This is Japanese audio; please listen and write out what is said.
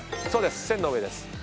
そうです。